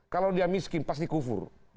kalau dia miskin pasti kufur